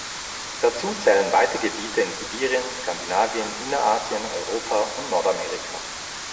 Dazu zählen weite Gebiete in Sibirien, Skandinavien, Innerasien, Europa und Nordamerika.